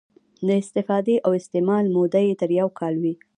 د استفادې او استعمال موده یې تر یو کال وي.